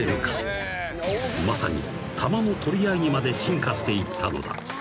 ［まさにタマの取り合いにまで進化していったのだ］